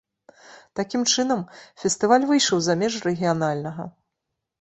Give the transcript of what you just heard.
Такім чынам, фестываль выйшаў за межы рэгіянальнага.